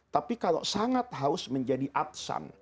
tapi kalau sangat haus menjadi adsan